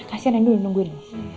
kasian yang dulu nungguin